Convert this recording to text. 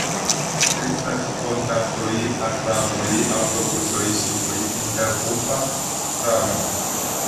Estas kontaktoj al tramoj, aŭtobusoj, ŝipoj, interurba tramo.